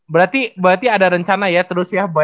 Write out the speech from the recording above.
berarti ada rencana ya terus ya